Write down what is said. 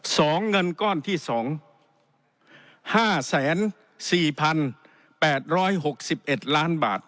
เงินก้อนที่สองห้าแสนสี่พันแปดร้อยหกสิบเอ็ดล้านบาท